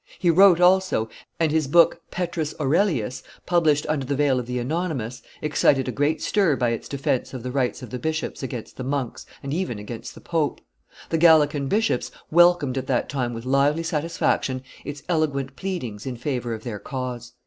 He wrote also, and his book "Petrus Aurelius," published under the veil of the anonymous, excited a great stir by its defence of the rights of the bishops against the monks, and even against the pope. The Gallican bishops welcomed at that time with lively satisfaction, its eloquent pleadings in favor of their cause.